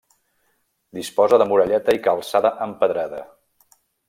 Disposa de muralleta i calçada empedrada.